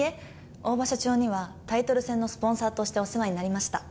大庭社長にはタイトル戦のスポンサーとしてお世話になりました。